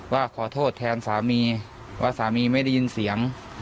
ว่าขอโทษแทนสามีว่าสามีไม่ได้ยินเสียง